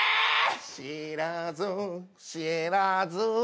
「知らず知らず」